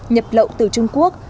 nhập lậu từ trung quốc